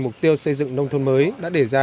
mục tiêu xây dựng nông thôn mới đã đề ra